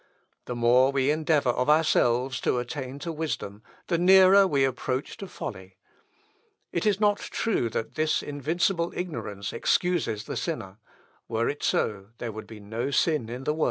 The more we endeavour of ourselves to attain to wisdom, the nearer we approach to folly. It is not true that this invincible ignorance excuses the sinner; were it so there would be no sin in the world."